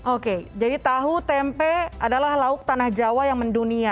oke jadi tahu tempe adalah lauk tanah jawa yang mendunia